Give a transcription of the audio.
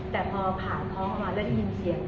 แต่พอผ่านท้องมาแล้วได้ยินเสียง